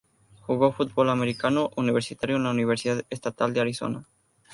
Jugó fútbol americano universitario en la Universidad Estatal de Arizona.